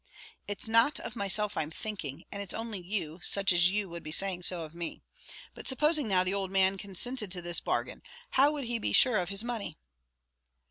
"It's not of myself I'm thinking; and it's only you, and such as you, would be saying so of me. But supposing now, the owld man consinted to this bargain, how would he be sure of his money?"